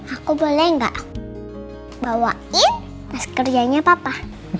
aku boleh enggak bawain tas kerjanya papa